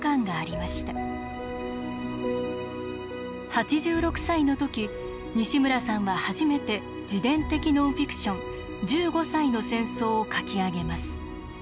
８６歳の時西村さんは初めて自伝的ノンフィクション「十五歳の戦争」を書き上げます。